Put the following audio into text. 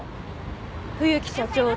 冬木社長と。